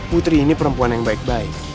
putri ini perempuan yang baik baik